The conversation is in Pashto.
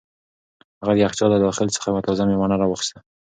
هغه د یخچال له داخل څخه یوه تازه مڼه را واخیسته.